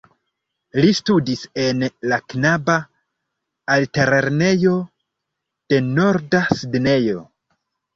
Li studis en la knaba altlernejo de Norda Sidnejo.